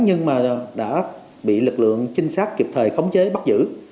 nhưng mà đã bị lực lượng trinh sát kịp thời khống chế bắt giữ